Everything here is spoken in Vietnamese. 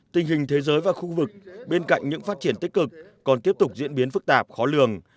tình hình thế giới và khu vực bên cạnh những phát triển tích cực còn tiếp tục diễn biến phức tạp khó lường